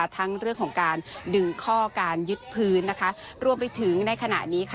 ทั้งเรื่องของการดึงข้อการยึดพื้นนะคะรวมไปถึงในขณะนี้ค่ะ